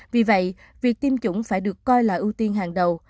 vì vậy việc tiêm chủng phải được coi là ưu tiên hàng đầu